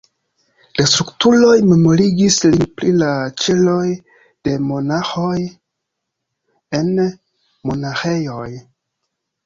La strukturoj memorigis lin pri la ĉeloj de monaĥoj en monaĥejoj.